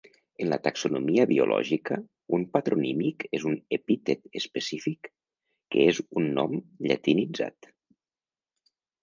En la taxonomia biològica, un patronímic és un epítet específic que és un nom llatinitzat.